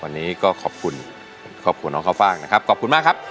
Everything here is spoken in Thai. วันนี้ก็ขอบคุณครอบครัวน้องข้าวฟ่างนะครับขอบคุณมากครับ